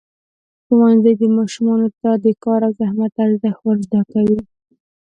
ښوونځی ماشومانو ته د کار او زحمت ارزښت ورزده کوي.